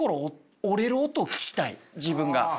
自分が。